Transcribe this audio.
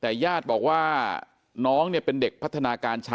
แต่ญาติบอกว่าน้องเนี่ยเป็นเด็กพัฒนาการช้า